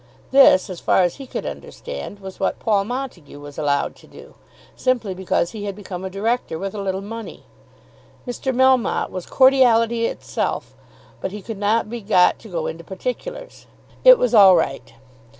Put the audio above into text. This, as far as he could understand, was what Paul Montague was allowed to do, simply because he had become a Director with a little money. Mr. Melmotte was cordiality itself, but he could not be got to go into particulars. It was all right.